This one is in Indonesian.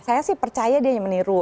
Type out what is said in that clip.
saya sih percaya deh meniru